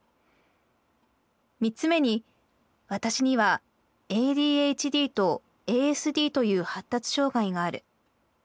３つ目にわたしにはＡＤＨＤとＡＳＤという発達障害がある。